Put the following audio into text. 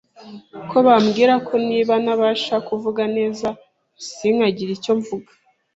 ko bambwira ko niba ntabasha kuvuga neza sinkagire icyo mvuga